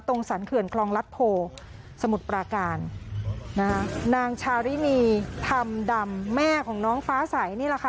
สรรเขื่อนคลองรัฐโพสมุทรปราการนะคะนางชารินีธรรมดำแม่ของน้องฟ้าใสนี่แหละค่ะ